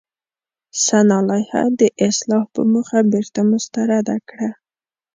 سنا لایحه د اصلاح په موخه بېرته مسترده کړه.